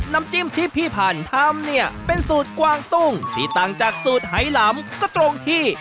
น้ำจิ้มที่พี่พันธุ์ทำเนี่ยเป็นสูตรกวางตุ้งที่ต่างจากสูตรไหลำก็ตรงที่